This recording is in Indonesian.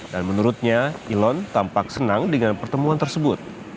dan menurutnya elon tampak senang dengan pertemuan tersebut